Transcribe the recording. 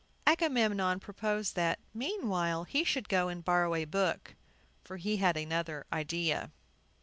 Agamemnon proposed that, meanwhile, he should go and borrow a book; for he had another idea.